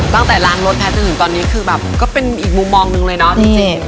ตั้งแต่ล้างรถแพ้จนถึงตอนนี้คือแบบก็เป็นอีกมุมมองหนึ่งเลยเนาะพี่เจ